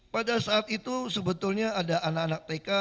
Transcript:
pada saat itu sebetulnya ada anak anak tk